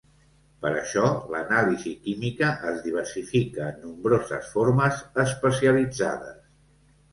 Per això, l'anàlisi química es diversifica en nombroses formes especialitzades.